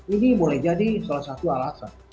ini boleh jadi salah satu alasan